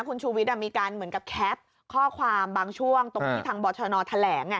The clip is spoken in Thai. คุณชูวิทย์มีการเหมือนกับแคปข้อความบางช่วงตรงที่ทางบชนแถลง